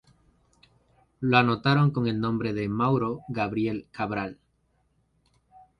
Lo anotaron con el nombre de Mauro Gabriel Cabral.